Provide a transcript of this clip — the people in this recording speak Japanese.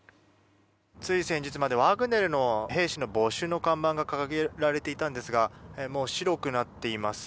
つい先日までワグネルの兵士の募集の看板が掲げられていたんですがもう白くなっています。